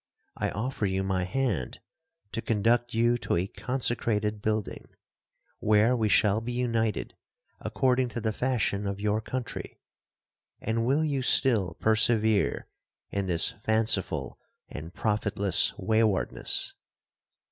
I offer you my hand to conduct you to a consecrated building, where we shall be united according to the fashion of your country—and will you still persevere in this fanciful and profitless waywardness?'